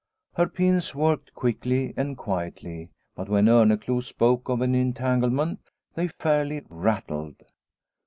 Her pins worked quickly and quietly, but when Orneclou spoke of an entanglement they fairly rattled.